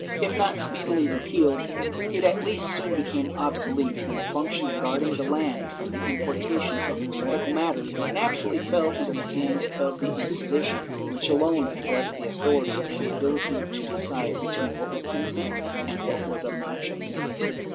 If not speedily repealed, it at least soon became obsolete, and the fimction of guarding the land from the importation of heretical matter naturally fell into the hands of the Inquisition, which alone possessed the authority and the ability to decide between what was innocent and what was obnoxious.